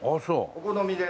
お好みで。